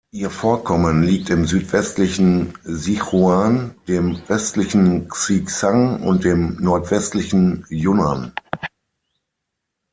Ihr Vorkommen liegt im südwestlichen Sichuan, dem östlichen Xizang und dem nordwestlichen Yunnan.